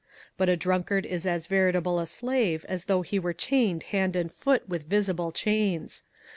But a drunkard is as veritable a slave as though he were chained hand and foot with visible chains.